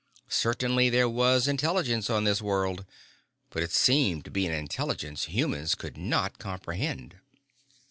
Certainly there was intelligence on this world. But it seemed to be an intelligence humans could not comprehend.